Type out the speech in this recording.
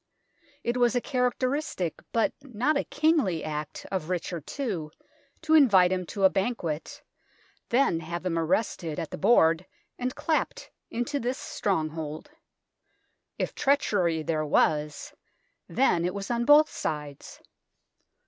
It was a characteristic, but not a kingly, act of Richard II to invite him to a banquet, then have him arrested at the board and clapt into this stronghold. If treachery there was, then it was on both sides.